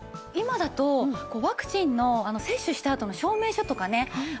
今だとこうワクチンの接種したあとの証明書とかね